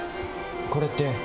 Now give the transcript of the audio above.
これって。